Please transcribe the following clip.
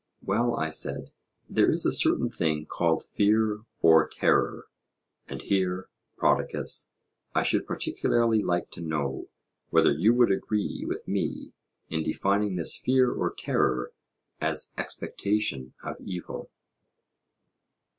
Well, I said, there is a certain thing called fear or terror; and here, Prodicus, I should particularly like to know whether you would agree with me in defining this fear or terror as expectation of evil.